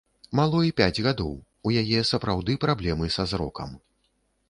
Малой пяць гадоў, у яе сапраўды праблемы са зрокам.